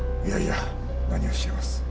いやいや何をおっしゃいます。